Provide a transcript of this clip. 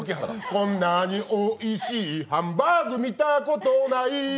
こんなに、おいしいハンバーグ見たことない。